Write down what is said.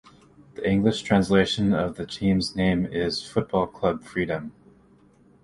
The English translation of the team's name is "Football Club Freedom".